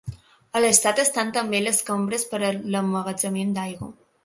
A l'est estan també les cambres per a l'emmagatzematge d'aigua.